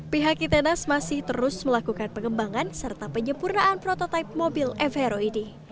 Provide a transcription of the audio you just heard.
pihak itenas masih terus melakukan pengembangan serta penyempurnaan prototipe mobil f heroidi